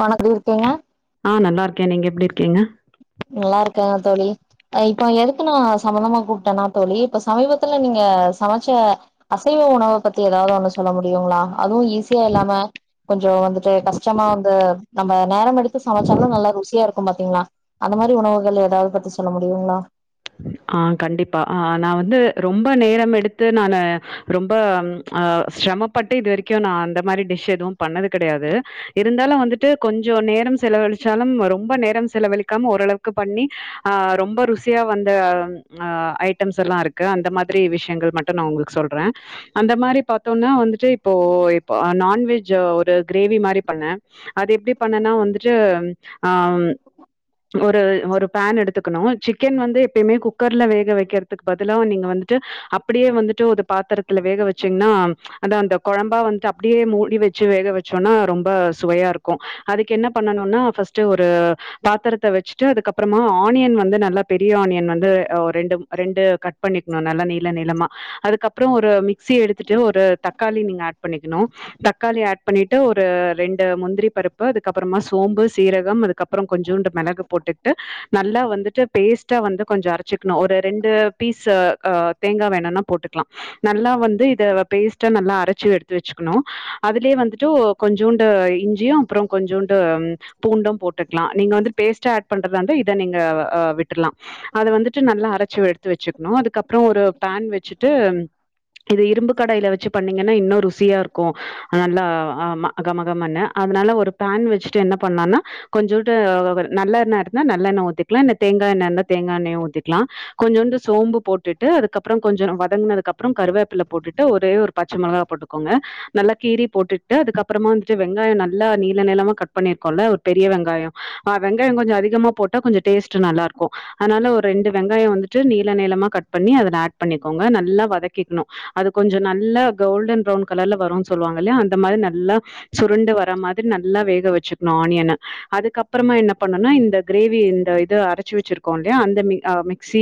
வணங்க இருக்கீங்க ஆ நல்லா இருக்கே நீங்க எப்டி இருக்கீங்க நல்லா இருக்கேங்க தோழி அ இப்ப எதுக்கு நா சம்பந்தமா கூப்ட்டேன்னா தோழி இப்ப சமீபத்துல நீங்க சமைச்ச அசைவ உணவை பத்தி ஏதாவது ஒண்ணு சொல்ல முடியுங்களா அதுவு ஈஸியா இல்லாம கொஞ்சோ வந்துட்டு கஷ்டமா வந்து நம்ம நேரம் எடுத்து சமைச்சாலு நல்லா ருசியா இருக்கு பாத்தீங்களா அது மாரி உணவுகள் ஏதாவது பத்தி சொல்ல முடியுங்களா ஆ கண்டிப்பா ஆ நா வந்து ரொம்ப நேரம் எடுத்து நானு ரொம்ப ஆ சிரமப்பட்டு இது வரைக்கு ந அந்த மாரி டிஷ் எதுவு பண்ணது கிடையாது இருந்தாலு வந்துட் டு கொஞ்சோ நேரம் செலவழிச்சாலும் ரொம்ப நேரம் செலவழிக்காம ஓரளவுக்கு பண்ணி ஆ ரொம்ப ருசி சியா வந்த அ ஐட்டம்ஸ் எல்லா இருக்கு அந்த மாதிரி விஷயங்கள் மட்டு நா உங்களுக்கு சொல்றே அந்த மாரி பாத்தோம்னா வந்துட்டு இப்போ இப்ப நான்வெஜ் ஒரு கிரேவி மாரி பண்ணே அது எப்டி பண்ணனா வந்துட்டு ஆ ஒரு ஒரு பேன் எடுத்துக்கணு சி சிக்கன் வந்து எப்பயுமே குக்கர்ல வேக வைக்கிறதுக்கு பதிலா நீங்க வந்துட்டு அப்டியே வந்துட்டு ஒரு பாத்திரத்துல வேக வச்சிங்னா அதா அந்த கொழம்பா வந்து அப்டியே மூடி வச்சு வேக வச்சோம்னா ரொம்ப சுவையா இருக்கு அதுக்கு என்ன பண்ணணும்னா ஃபஸ்ட்டு ஒரு பாத்திரத்த வச்சுட்டு அதுக்கப்பறமா ஆனியன் வந்து நல்லா பெரிய ஆனியன் வந்து அ ரெண்டு ரெண்டு கட் பண்ணிக்கணு நல்லா நீள நீளமா அதுக்கப்றோ ஒரு மிக் சிய எடுத்துட்டு ஒரு தக்காளி நீங்க ஆட் பண்ணிக்கணு தக்காளி ஆட் பண்ணிட்டு ஒரு ரெண்டு முந்திரி பருப்பு அதுக்கு அப்பறமா சோம்பு சீரகம் அதுக் கப்பறம் கொஞ்சோண்டு மிளகு போட்டுட்டு நல்லா வந்துட்டு பேஸ் டா வந்து கொஞ்சோ அரைச்சிக்கணு ஒரு ரெண்டு பீஸ் அ தேங்கா வேணும்னா போட்டுக்கலா நல்லா வந்து இத பேஸ்ட்டா நல்லா அரைச்சு எடுத்து வச்சுக்கணு அதுலயே வந்துட்டு கொஞ்சோண்டு இஞ்சியு அப்பறோ கொஞ்சோண்டு பூண்டும் போட்டுக்கலா நீங்க வந்து பேஸ்ட் ஆட் பண்றாருந்தா இத நீங்க அ விட் டுருலா அத வந்துட்டு நல்லா அரைச்சி எடுத்து வச்சுக்கணு அதுக்கப்றோ ஒரு பேன் வச்சுட்டு இது இரும்பு கடாயில வச்சு பண்ணீங்கன்னா இன்னு ருசியா இருக்கு நல்லா ஆ ம கமகமன்னு அதனால ஒரு பேன் வச்சுட்டு என்ன பண்லான்னா கொஞ்சோண்டு நல்லெண்ணெ இருந்தா நல்லெண்ணெ ஊத்திக்கலா இல்ல தோங்கா எண்ணெ இருந்தா தேங்கி எண்ணயு ஊத்திக்கலா கொஞ்சோண்டு சோம்பு போட்டுட்டு அதுக்கப்பறோ கொஞ்ச வதங்குனதுக்கப்றோ கருவேப்பில போட்டுட்டு ஒரே ஒரு பச்ச மிளகா போட்டுக்கோங்க நல்லா கீரி போட்டுட்டு அதுக்கப்பறமா வந்துட்டு வெங்காய நல்லா நீள நீளமா கட் பண்ணிருக்கோல பெரிய வெங்காய ஆ வெங்காய கொஞ்ச அதிகமா போட்டா கொஞ்ச டேஸ்ட் நல்லா இருக் கு அதனால ஒரு ரெண்டு வெங்காய வந்துட்டு நீள நீளமா கட் பண்ணி அதுல ஆட் பண்ணிக்கோங்க நல்லா வதக்கிக்ணு அது கொஞ்ச நல்லா கோல்டன் ப்ரவுன் கலர்ல வருனு சொல்லுவாங்கல்லையா அந்த மாரி நல்லா சுருண்டு வர மாதிரி நல்லா வேக வச்சுக்கணு ஆனியன அதுக்கப்பறமா என்ன பண்ணனா இந்த கிரேவிய இந்த இது அரச் சு வச்சிருக்கோல்லயா அந்த மி அ மிக்சி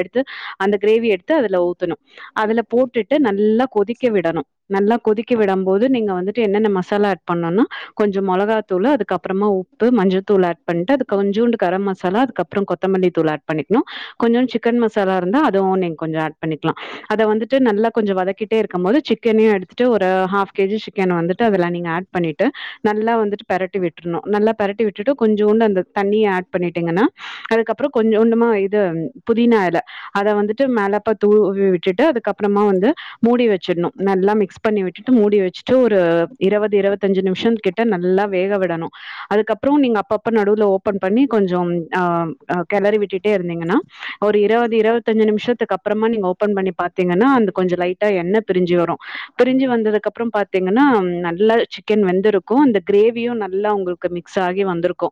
எடுத்து அந்த கிரேவி எடுத்து அதுல ஊத்தணு அதுல போட்டுட்டு நல்லா கொதிக்க விடணு நல்லா கொதிக்கி விட போது நீங்க வந்துட்டு என்னென்ன மசாலா ஆட் பண்ணுனா கொஞ்ச மொளகாதூள்ளு அதுக்கப்பறமா உப்பு மஞ்சள் தூள் ஆட் பண்ட்டு அது கொஞ்சோண்டு கரம் மசாலா அதுக்கப் ப்றோ கொத்தமல்லி தூள் ஆட் பண்ணிக்ணு கொஞ்ச சிக்கன் மசாலா இருந்தா அதுவு நீங்க கொஞ்ச ஆட் பண்ணிக்லா அத வந்துட்டு நல்லா கொஞ்ச வதக்கிட்டே இருக்கம்போது சிக்கனயு எடுத்துட்டு ஒரு ஹாஃப் கேஜி சிக்கன வந்துட்டு அதுல நீங்க ஆட் பண்ணிட்டு நல்லா வந்துட்டு பெரட்டி விட்ருணு நல்லா பெரட்டி விட்டுட்டு கொஞ்சோண்டு அந்த தண்ணிய ஆட் பண்ணிட்டீங்கன்னா அதுக்கப்பறமோ கொஞ்ச கொண்டுமா இது புதினா எல அத வந்துட்டு மேலப்பா தூவி விட்டுட்டு அதுக்கப்பறமா வந்து மூடி வச்சிர்னு நல்லா மிக்ஸ் பண்ணி விட்டுட்டு மூடி வச்சுட்டு ஒரு இருவது இருவத்தஞ்சு நிமிஷ கிட்ட நல்லா வேக விடணு அதுக்கப்றோ நீங்க அப்பப்ப நடுவுல ஓபன் பண்ணி கொஞ்சம் ஆ கெலரி விட்டுட்டே இருந்தீங்கன்னா ஒரு இருவது இருவத்தஞ்சு நிமிஷத்துக்கு அப்பறமா நீங்க ஓப ன் பண்ணி பாத்தீங்கன்னா அந்த கொஞ்ச லைட்டா எண்ண பிரிஞ்சு வரு பிரிஞ்சு வந்ததுக்கு அப்றோ பாத்தீங்கன்னா நல்லா சிக் கன் வெந்திருக்கு அந்த கிரேவியு நல்லா உங்களுக்கு மிக்ஸ் ஆகி வந்திருக்கு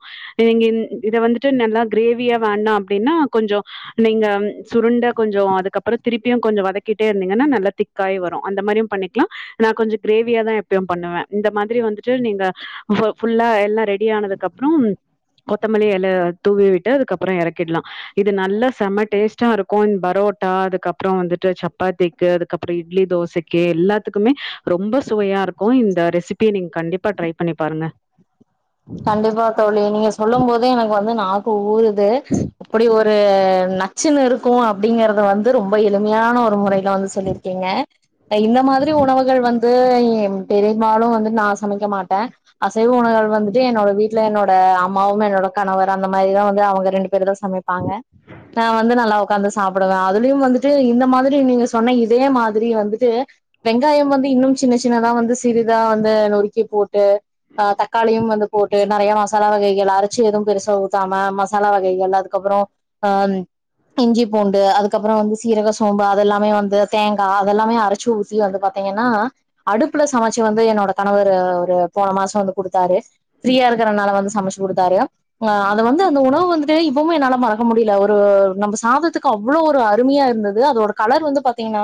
இத வந்து ட்டு நல்லா கிரேவியா வேணா அப்டின்னா கொஞ்ச நீங்க சுருண்ட கொஞ்ச அதுக்கப்பறோ திருப்பியு கொஞ்ச வதக்கிட்டே இருந்தீங்கினா நல்லா திக் காயி வரு அந்த மாரியு பண்ணிக்கலா நா கொஞ்ச கிரேவியாதா எப்பயு பண்ணுவே இந்த மாதிரி வந்துட்டு நீங்க ஃபுல்லா எல்லா ரெடி ஆனதுக்கு அப்றோ கொத்தமல்லி எல தூவி விட்டு அதுக்கப்றோ எறக்கிடலா இது நல்லா செம டேஸ்ட்டா இருக்கு அன் பரோட்டா அதுக்கப்றோ வந்துட்டு சப்பாத்தி க்கு அதுக்கப்றோ இட்லி தோசைக்கு எல்லாத்துக்குமே ரொம்ப சுவையா இருக்கு இந்த ரெசி பிய நீங்க கண்டிப்பா ஃட்ரை பண்ணி பாருங்க கண்டிப்பா தோழி நீங்க சொல்லும் போதே எனக்கு வந்து நாக்கு ஊரு து இப்டி ஒரு நச்சுன்னு இருக்கு அப்டிங்கறது வந்து ரொம்ப எளிமையான ஒரு முறை ல வந்து சொல்லிருக்கீங்க இந்த மாதிரி உணவுகள் வந்து பெரிம்பாலு வந்து நா சமைக்க மாட்டே அசைவ உணவுகள் வந்து என்னோட வீட்ல என்னோட அம்மாவு என்னோட கணவர் அந்த மாரிதா வந்து அவங்க ரெண்டு பேரு தா சமைப்பாங்க நா வந்து நல்லா உக்காந்து சாப்டுவே அதுலயு வந்துட்டு இந்த மாதிரி நீங்க சொன்ன இதே மாதிரி வந்துட்டு வெங்காயம் வந்து இன்னும் சின்ன சின்னதா வந்து சிறிதா வந்து நொறுக்கி போட்டு ஆ தக்காளியும் வந்து போட்டு நெறைய மசாலா வகைகள் அரச்சு எதுவு பெருசா ஊத்தாம மசாலா வகைகள் அதுக்கப்றோ ஆ இஞ்சி பூண்டு அதுக்கப்றோ வந்து சீரக சோம்பு அதெல்லாமே வந்து தேங்கா அதெல்லாமே அரைச்சு ஊத் தி வந்து பாத்தீங்கன்னா அடுப்புல சமச்சு வந்து என்னோட கணவர் ஒரு போன மாச வந்து குடுத்தாரு ஃப்ரீயா இருக்குறனால வந்து சமச்சு குடுத்தாரு ஆ அது‌ வந்து அந்த உணவு வந்துட்டு இப்பவுமே என்னால மறக்க முடியல ஒரு நம்ம சாதத்துக்கு அவ்ளோ ஒரு அருமையா இருந்தது இல்ல அதோட கலர் வந்து பாத்தீங்கன்னா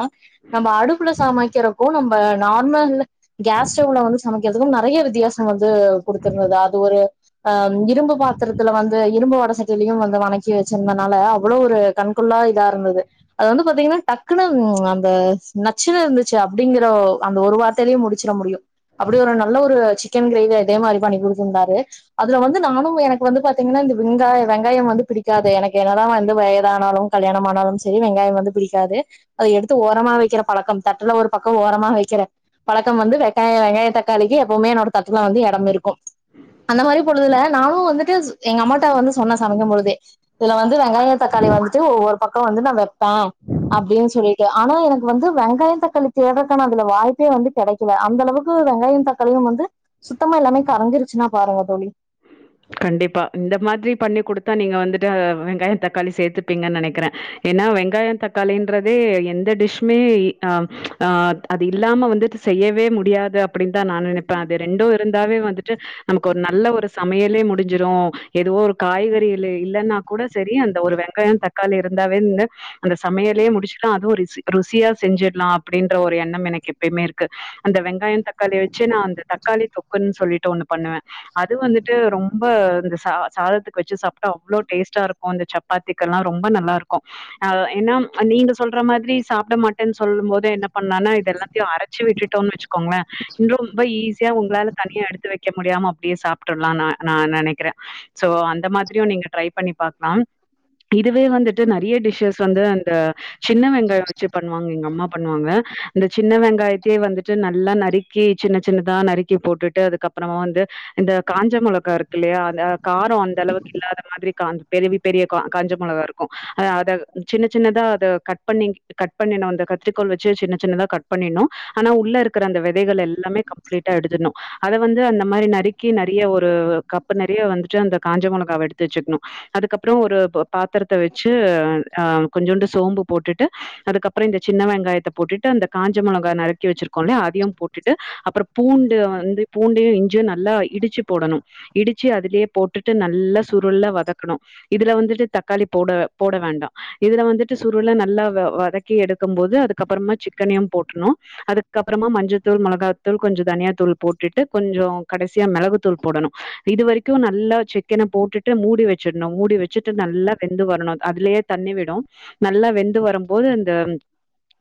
நம்ம அடுப்புல சமைக்கிறப்போ நம்ம நார்மல் கேஸ்டவ்ல வந்து நமக்கு எது நெறைய வித்தியாசம் வந்து கொடுத்துருந்தது அது ஒரு அ இரும்பு பாத்திரத்துல வந்து இரும்பு வட சட்டியிலையும் வந்து வணக்கி வச்சிருந்தனால அவ்ளோ‌ ஒரு கண்கொள்ளா இதா இருந்தது அது வந்து பாத்தீங்கன்னா டக்குனு அந்த நச்சுனு இருந்துச்சு அப்டிங்கற அந்த ஒரு வார்த்தையிலயே முடிச்சிர முடியும் அப்டி ஒரு நல்ல ஒரு சிக்கன் கிரேவி அதே மாரி பண்ணி கொடுத்துருந்தாரு அதுல வந்து நானும் எனக்கு வந்து பாத்தீங்கன்னா இந்த வெங்காயம் வெங்காயம் வந்து பிடிக்காது எனக்கு என்னதான் வந்து வயதானாலும் கல்யாணம்மானாலும் சரி வெங்காயம் வந்து பிடிக்காது அத எடுத்து ஓரமா வைக்கிற பழக்கம் தட்டுல ஒரு பக்கம் ஓரமா வைக்கிற பழக்கம் வந்து வெங்காய வெங்காய தக்காளிக்கு எப்பவுமே என்னோட தட்டுல வந்து எடம் இருக்கும் அந்த மாதிரி பொழுதுல நானும் வந்துட்டு எங்க அம்மாட்டா வந்து சொன்னே சமைக்கும் பொழுதே இதுல வந்து வெங்காய தக்காளி வந்துட்டு ஒவ்வொரு பக்கம் வந்து நா வெப்பா அப்டின்னு சொல்லிட்டு ஆனா எனக்கு வந்து வெங்காயம் தக்காளி தேறதுக்கான அதுல வாய்ப்பே வந்து கெடைக் கல அந்த அளவுக்கு வெங்காயம் தக்காளியும் வந்து சுத்தமா எல்லாமே கரைஞ்சிருச்சுன்னா பாருங்க தோழி கண்டிப்பா இந்த மாதிரி பண்ணி குடுத்தா நீங்க வந்துட்டு வெங்காய தக்காளி சேர்த்துப்பீங்கன்னு நெனைக்கிறேன் ஏன்னா வெங்காயம் தக்காளின்றதே எந்த டிஷ்மே ஆஹ் ஆ அது இல்லாம வந்துட்டு செய்யவே முடியாது அப்டின்னு தா நா நெனைப்பேன் அது ரெண்டும் இருந்தாவே வந்துட்டு நமக்கு ஒரு நல்ல ஒரு சமையலே முடிஞ்சிரும் எதுவோ ஒரு காய்கறி இல் இல்லன்னா கூட செரி அந்த ஒரு வெங்காயம் தக் தக்காளி இருந்தாவே கூட அந்த சமையலேயே முடிச்சுட்டா அதுவும் ரிசி ருசியா செஞ்சிடலாம் அப்டின்ற ஒரு எண்ணம் எனக்கு எப்பயுமே இருக்கு அந்த வெங்காயம் தக்காளிய வச்சே நான் அந்த தக்காளி தொக்குன்னு சொல்லிட்டு ஒன்னு பண்ணுவேன் அது வந்து ட்டு ரொம்ப இந்த சா சாதத்துக்கு வச்சு சாப்டா அவ்ளோ டேஸ்ட்டா இருக்கும் இந்த சப்பாத்திகெல்லாம் ரொம்ப நல்லா இருக்கும் ஆ ஏன்னா நீங்க சொல்ற மாதிரி சாப்பிட மாட்டேன்னு சொல்லும் போது என்ன பண்ணலானா இதெல்லா த்தையும் அரைச்சு விட்டுட்டோம்னு வச்சுக்கோங்களே இன்னு ரொம்ப ஈஸியா உங்களால தனியா எடுத்து வைக்க முடியாம அப்டியே சாப் ட்ருலா நா நினைக்கிறேன் சோ அந்த மாதிரியும் நீங்க ட்ரை பண்ணி பாக்லாம் இதுவே வந்துட்டு நெறைய டிஸ்ஷஸ் வந்து அந்த சின்ன வெங்காயம் வச்சு பண்ணுவாங்க எங்க அம்மா பண்ணுவாங்க இந்த சின்ன வெங்காயத்தே வந்துட்டு நல்லா நறுக்கி சின்ன சின்னதா நறுக்கி போட்டுட்டு அதுக்கப்பறமா வந்து இந்த காஞ்ச மொளகா இருக்குல்லையா அந்த காரம் அந்தளவுக்கு இல்லாத மாதிரி காந் பெரிய பெரிய காஞ்ச மொளகா இருக்கும் அ அத சின்ன சின்னதா அதை கட் பண்ணி கட் பண்ணிணும் அந்த கத்திரிக்கோள் வச்சு சின்ன சின்னதா கட் பண்ணினும் ஆனா உள்ள இருக்கிற அந்த விதைகள் எல்லாமே கம்ப்ளீட்டா எடுத்தணும் அத வந்து அந்த மாரி நறிக் கி நெறய ஒரு கப்பு நெறய வந்துட்டு அந்த காஞ்ச மொளகாவ எடுத்து வச்சுக்கணும் அதுக்கப்பறம் ஒரு பொ பாத்தரத்த வச்சு ஆ கொஞ்சோண்டு சோம்பு போட்டுட்டு அதுக்கப் பறொ இந்த சின்ன வெங்காயத்த போட்டுட்டு அந்த காஞ்ச மொளகா நறுக்கி வச்சிருக்கோம் இல்லயா அதிகம் போட்டுட்டு அப்பறொ பூண்டு வந்து பூண்டையும் இஞ்சும் நல்லா இடிச்சு போடணும் இடிச்சு அதுலயே போட்டுட்டு நல்லா சுருளா வதக்கணும் இதுல வந்துட்டு தக்காளி போட போட வேண்டாம் இதுல வந்துட்டு சுருள நல்லா வதக்கி எடுக்கும் போது அதுக்கப்பறமா சிக்கனயும் போட்ருணும் அதுக்க அப்பறமா மஞ்சள் தூள் மிளகா தூள் கொஞ்சம் தனியா தூள் போட்டுட்டு கொஞ்சம் கடசி சியா மிளகு தூள் போடணும் இது வரைக்கும் நல்லா சிக்கனை போட்டுட்டு மூடி வச்சிட்ணும் மூடி வச்சுட்டு நல்லா வெந்து வரணும் அதுலயே தண்ணி விடு நல்லா வெந்து வரும்போது அந்த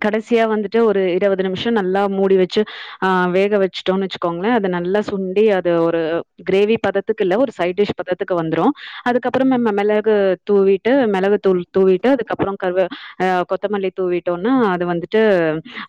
கடைசியா வந்துட்டு ஒரு இருவ்து நிமிஷோ நல்லா மூடி வச்சு ஆ வேக வெச்சிட்டோ வெச்சுக்கோங்ளே அத நல்லா சுண்டி ஒரு கிரேவி பதத்துக்கு இல்ல ஒரு சைட் டிஷ் பதத்துக்கு வந்துரு அதுக்கப்பறம் நம்ம மெளகு தூவிட்டு மெளகு தூள் தூவிட்டு அதுக்கப்பறம் கருவே அ கொத்தமல்லி தூவிட்டோனா அது வந்துட்டு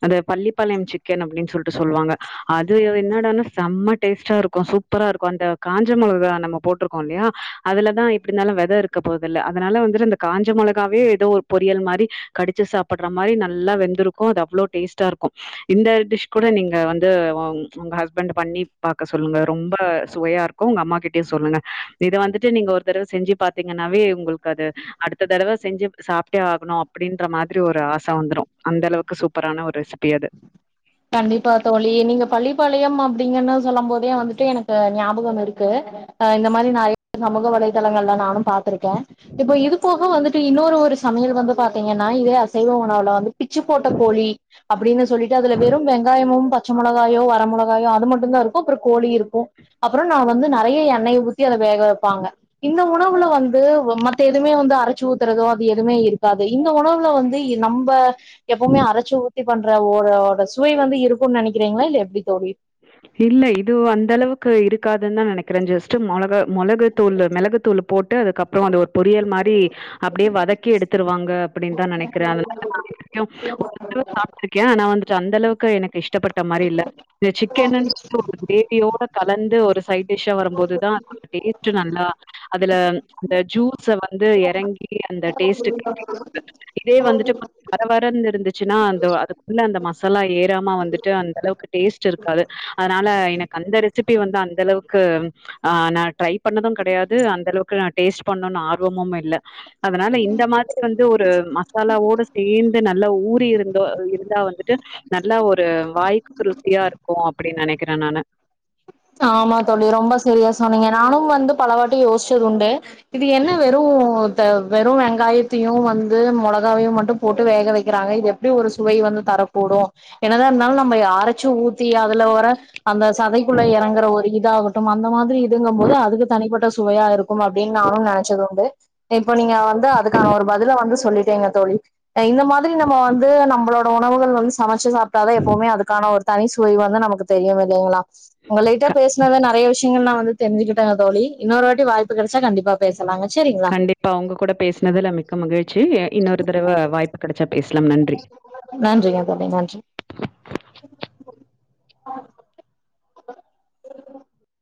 அது பள்ளிப்பாளையம் சிக்கன் அப்டின் சொல்ட்டு சொல்வாங்க அது என்னடானா செம்ம டேஸ்ட்டா இருக் கு சூப்பரா இருக்கு அந்த காஞ்ச மொளகா நம்ம போட்ருக்கோ இல்லையா அதுலதா எப்டி இருந்தாலு வெத இரு க்க போதில்ல அதனால வந்துட்டு இந்த காஞ்ச மொளகாவே எதோ ஒரு பொரியல் மாரி கடிச்சு சாப்பட்ற மாரி நல்லா வெந்திருக் கு அது அவ்ளோ டேஸ்டா இருக்கு இந்த டிஷ் கூட நீங்க வந்து உங் உங்க ஹஸ்பண்ட்ட பண்ணி பாக்க சொல்லுங்க ரொம்ப சுவையா இருக்கு உங்க அம்மா கிட்டயு சொல்லுங்க இத வந்துட்டு நீங்க ஒருத்தடவ செஞ்சு பாத்தீங்கன்னாவே உங்களுக் கு அது அடுத்த தடவ செஞ்சு சாப்ட்டே ஆகணு அப்டின்ற மாத்ரி ஒரு ஆச வந்துரு அந்தளவுக்கு சூப்பரான ஒரு ரெசிபி அது கண்டிப்பா தோழி நீங்க பள்ளிப்பாளையம் அப்டிங்கன்னு சொல்லும் போதே வந்துட்டு எனக்கு ஞாபகம் இருக்கு அ இந்த மாரி நெறய சமூக வலைதளங்கள்ல நானு பாத்திருக்கே இப்போ இது போக வந்துட் டு இன்னொரு ஒரு சமையல் வந்து பாத்தீங்கன்னா இதே அசைவ உணவுல வந்து பிச்சு போட்ட கோழி அப்டின்னு சொல்லிட்டு அதுல வெறு வெங்காயமும் பச்ச மொளகாயோ வர மொளகாயோ அது மட்டுந்தா இருக்கு அப்றோ கோழி இருக்கு அப்றோ நா வந்து நெறய எண்ணெய ஊத்தி அத வேக வெப்பாங்க இந்த உணவுல வந்து ம த்த எதுமே வந்து அரச்சு ஊத்துறதோ அது எதுமே இருக்காது இந்த உணவுல வந்து இ நம்ப எப்போமே அரச்சு ஊத்தி பண்ற ஓரோட சுவை வந்து இருக்குன் நெனக்கிறீங்ளா இல்ல எப்டி தோழி இல்ல இது அந்தளவுக்கு இருக்காதுன் தா நெனக்கிறே ஜஸ்ட்டு மொளகு மொளகு தூளு மெளகு தூளு போட்டு அதுக்கப்றோ அது ஒரு பொரியல் மாரி அப்டியே வதக்கி எடுத்துருவாங்க அப்டின் தா நெனக்கிறே அதனால தா [inaudible] சாப்ட்ருக்கே ஆனா வந்துட்டு அந்தளவுக்கு எனக்கு இஷ்டப்பட்ட மாரி இல்ல இந்த சிக் கன் ஒரு க்ரேவியோட கலந்து ஒரு சைட் டிஷ்ஷா வரும் போது தா டேஸ்ட்டு நல்லா அதுல அந்த ஜூஸ வந்து எறங்கி அந்த டேஸ்ட்டு [inaudible] இதே வந்துட்டு வர வரன்னு இருந்துச்சுன்னா அந்த அதுக்குள்ள அந்த மசாலா ஏறாம வந்துட்டு அந்தளவுக்கு டேஸ்ட் இருக் காது அதனால எனக்கு அந்த ரெசிபி வந்து அந்தளவுக்கு ஆ நா ட்ரை பண்ணது கெடயாது அந்தளவுக்கு நா டேஸ்ட் பண்ணுன் ஆர்வமும் இல்ல அதனால இந்த மாரி வந்து ஒரு மசாலாவோட சேந்து நல்லா ஊறி இருந்தோ அ இ ருந்தா வந்துட்டு நல்லா ஒரு வாய்க்கு ருசியா இருக்கு அப்டின் நெனக்கிறே நானு ஆமா தோழி ரொம்ப செரியா சொன்னிங்க நானும் வந்து பல வாட்டி யோசிச்சது உண்டு இது என்ன வெறு த்த வெறு வெங்காயத்தையு வந்து மொளகாவையு மட்டு போட்டு வேக வெக்கிறாங்க இது எப் டி ஒரு சுவை வந்து தரக்கூடு என்னதா இருந்தாலு நம்ம அரச்சு ஊத்தி அதுல வர அந்த சதை குள்ள எறங்கற ஒரு இதாகட்டு அந்த மாரி இதுங்கும் போது அதுக்கு தனிப்பட்ட சுவையா இருக்கும் அப்டின் நானு நெனச்சதுண்டு இப்போ நீங்க வந்து அதுக்கான ஒரு பதில வந்து சொல்லிட்டீங்க தோழி இந்த மாத்ரி நம்ம வந்து நம்மளோட உணவுகள் வந்து சமைச்சு சாப்பிட்டாதா எப்பவுமே அதுக்கான ஒரு தனி சுவை வந்து நமக்கு தெரியுமில்லைங்ளா உங்களிட்ட க பே சனது நெறைய விஷயங்கள் நா வந்து தெரிஞ்சிக்கிட்டே தோழி இன்னொரு வாட்டி வாய்ப்பு கெடச்சா கண்டிப்பா பேசலாங்க சரிங்ளா இப்ப உங்க கூட பேசுனதுல மிக்க மகிழ்ச்சி இ இன்னொரு தடவ வாய்ப்பு கெடைச்சா பேசலாம் நன்றி நன்றிங்க தோழி நன்றி